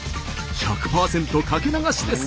１００％かけ流しです。